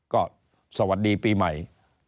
ก็สวัสดีปีใหม่